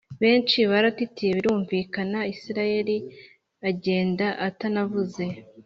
benshi baratitiye birumvikana, israel agenda atanavuze